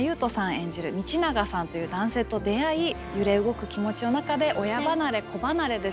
演じる道永さんという男性と出会い揺れ動く気持ちの中で親離れ子離れですね